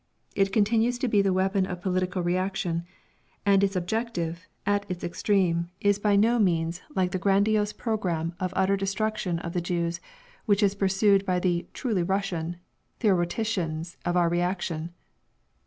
It continues to be the weapon of political reaction. And its objective, at its extreme, is by no means like the grandiose programme of utter destruction of the Jews which is pursued by the "truly Russian" theoreticians of our reaction.